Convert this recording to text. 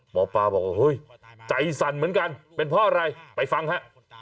หมอปลาบอกว่าเฮ้ยใจสั่นเหมือนกันเป็นเพราะอะไรไปฟังฮะ